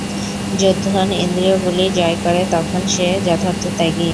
যখন ইন্দ্রিয়গুলি জয় করে, তখন সে যথার্থ ত্যাগী।